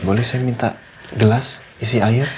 boleh saya minta gelas isi air